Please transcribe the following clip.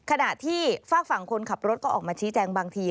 ขณะที่ฝากฝั่งคนขับรถก็ออกมาชี้แจงบางที